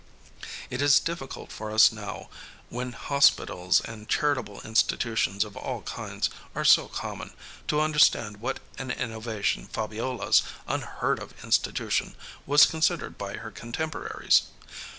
It is difficult for us now, when hospitals and charitable institutions of all kinds are so common, to understand what an innovation Fabiola's unheard of institution was considered by her contemporaries.